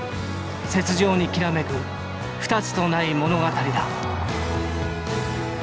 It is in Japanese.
雪上にきらめくふたつとない物語だ。